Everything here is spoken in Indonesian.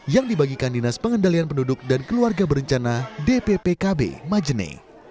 yang dibagikan dinas pengendalian penduduk dan keluarga berencana dppkb majene